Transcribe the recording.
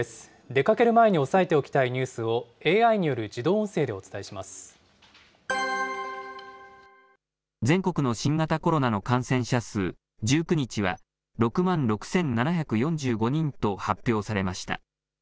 出かける前に押さえておきたいニュースを、ＡＩによる自動音声で全国の新型コロナの感染者数、１９日は６万６７４５人と発表されました。